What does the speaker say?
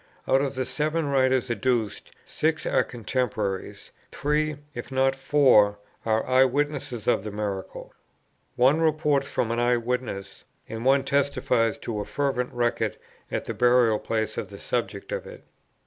"Out of the seven writers adduced, six are contemporaries; three, if not four, are eye witnesses of the miracle. One reports from an eye witness, and one testifies to a fervent record at the burial place of the subjects of it.